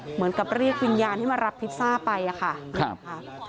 เหมือนกับเรียกวิญญาณให้มารับพิซซ่าไปอะค่ะครับค่ะ